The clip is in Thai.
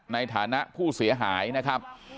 ในฐานะผู้เสียหายนะครับ